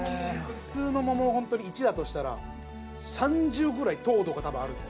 普通の桃を１だとしたら３０ぐらい糖度がたぶんある。